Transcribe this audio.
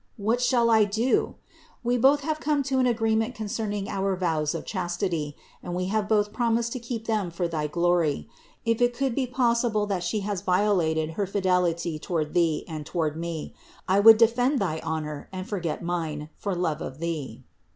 What shall I do? We both have come to an agreement con cerning our vows of chastity, and we have both prom ised to keep them for thy glory; if it could be possible that She has violated her fidelity toward Thee and toward me, I would defend thy honor and would forget mine for love of Thee.